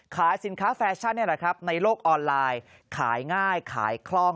ขายสินค้าแฟชั่นในโลกออนไลน์ขายง่ายขายคล่อง